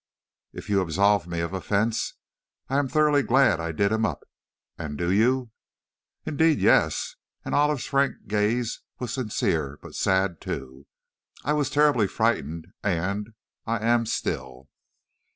If you absolve me of offense, I am thoroughly glad I did him up! And you do?" "Indeed, yes!" and Olive's frank gaze was sincere but sad, too. "I was terribly frightened, and, I am still."